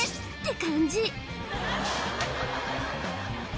って感じ